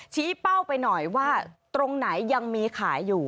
เป้าไปหน่อยว่าตรงไหนยังมีขายอยู่